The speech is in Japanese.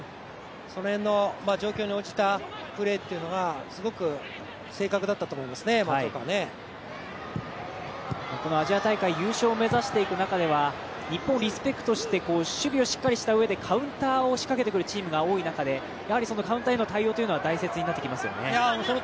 その辺の状況に応じたプレーっていうのがすごく正確だったと思います、松岡アジア大会優勝を目指していく中では、リスペクトをして守備をしっかりしたうえでカウンターを仕掛けてくるチームが多い中でやはりそのカウンターの対応というのが大切になってきますよね。